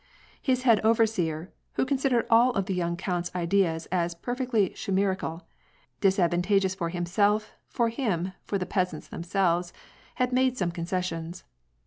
His head overseer, who considered all of the young count*s ideas as perfectly chimerical — disadvantageous for himself, for him, for the peasants themselves — had made some conces sions.